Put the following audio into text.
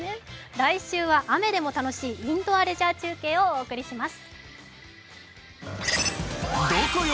来週は「雨でも楽しい！インドアレジャー中継」をお送りします。